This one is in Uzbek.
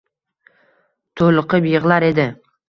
To`liqib yig`lar edi